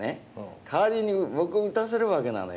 代わりに僕を打たせるわけなのよ。